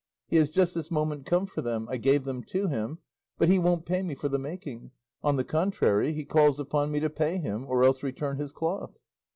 He has just this moment come for them; I gave them to him, but he won't pay me for the making; on the contrary, he calls upon me to pay him, or else return his cloth."